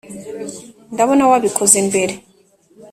ndabona wabikoze mbere.